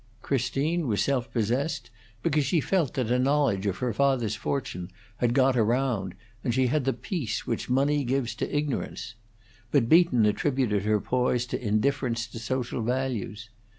Christine was self possessed because she felt that a knowledge of her father's fortune had got around, and she had the peace which money gives to ignorance; but Beaton attributed her poise to indifference to social values.